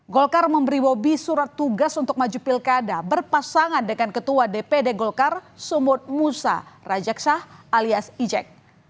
golkar memberi bobi surat tugas untuk maju pilkada berpasangan dengan ketua dpd golkar sumut musa rajaksah alias ijek